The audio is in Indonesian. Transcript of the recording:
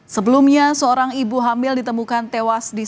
sebelumnya seorang ibu hamil ditemukan tewas di